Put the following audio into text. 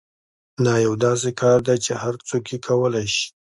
دا یو داسې کار دی چې هر څوک یې کولای شي